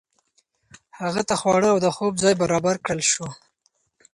هغه ته خواړه او د خوب ځای برابر کړل شو.